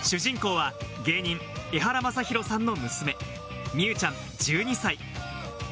主人公は芸人・エハラマサヒロさんの娘・美羽ちゃん、１２歳。